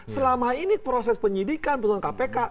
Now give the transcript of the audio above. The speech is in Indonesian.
selama ini proses penyidikan putusan kpk